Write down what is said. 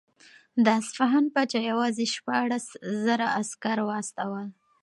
د اصفهان پاچا یوازې شپاړس زره عسکر واستول.